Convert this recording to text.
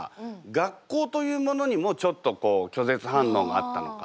学校というものにもちょっとこう拒絶反応があったのか？